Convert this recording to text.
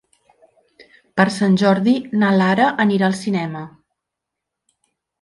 Per Sant Jordi na Lara anirà al cinema.